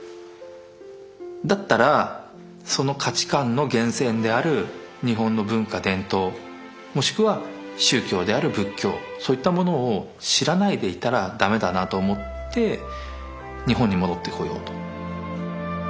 だったらその価値観の源泉である日本の文化伝統もしくは宗教である仏教そういったものを知らないでいたらダメだなと思って日本に戻ってこようと。